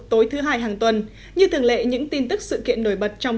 tối thứ hai hàng tuần như thường lệ những tin tức sự kiện nổi bật trong